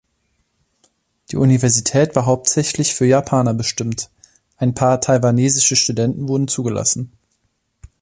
Die Universität war hauptsächlich für Japaner bestimmt; ein paar taiwanesische Studenten wurden zugelassen.